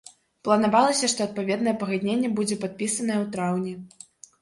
Планавалася, што адпаведнае пагадненне будзе падпісанае ў траўні.